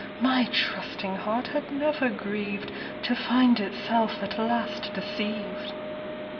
My trusting heart had never grieved To find itself at last deceived.